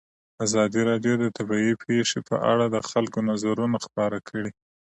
ازادي راډیو د طبیعي پېښې په اړه د خلکو نظرونه خپاره کړي.